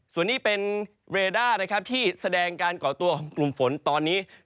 ส่วนนี้เป็นเรด้านะครับที่แสดงการก่อตัวของกลุ่มฝนตอนนี้